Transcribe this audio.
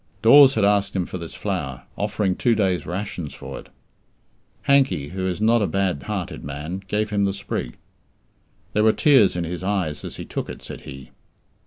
Dawes had asked him for this flower, offering two days' rations for it. Hankey, who is not a bad hearted man, gave him the sprig. "There were tears in his eyes as he took it," said he.